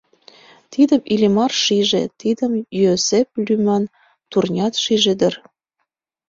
Тидым Иллимар шиже, тидым Йоосеп лӱман турнят шиже дыр.